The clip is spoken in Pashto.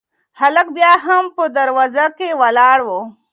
هلک بیا هم په دروازه کې ولاړ و.